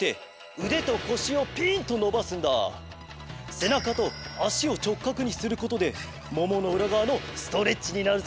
せなかとあしをちょっかくにすることでもものうらがわのストレッチになるぞ。